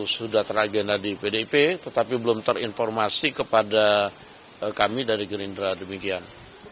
sudah teragenda di pdip tetapi belum terinformasi kepada kami dari gerindra demikian